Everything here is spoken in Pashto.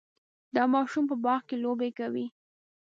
دا ماشوم په باغ کې لوبې کوي.